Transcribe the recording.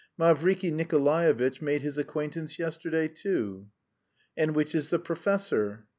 Mavriky Nikolaevitch made his acquaintance yesterday, too." "And which is the professor?"